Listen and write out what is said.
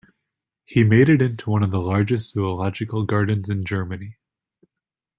He made it into one of the largest zoological gardens in Germany.